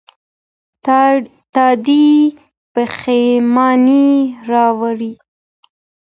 تادي پښيماني راوړي.